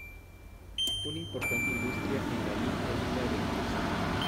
Una importante industria en Lalín es la del textil.